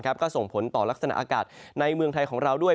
ก็ส่งผลต่อลักษณะอากาศในเมืองไทยของเราด้วย